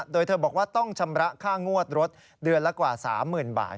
โดยเธอบอกว่าต้องชำระค่างวดรถเดือนละกว่า๓๐๐๐บาท